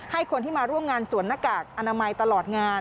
ให้คนที่มาร่วมงานสวมหน้ากากอนามัยตลอดงาน